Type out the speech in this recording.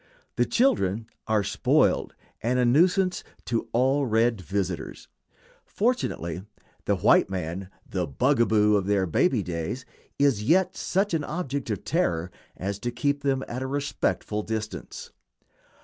The children are spoiled, and a nuisance to all red visitors. Fortunately the white man, the "bugaboo" of their baby days, is yet such an object of terror as to keep them at a respectful distance.